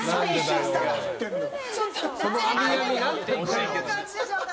こういう感じでしょうか？